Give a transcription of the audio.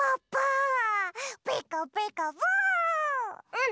うん！